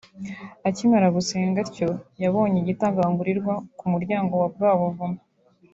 Akimara gusenga atyo yabonye igitagangurirwa ku muryango wa bwa buvumo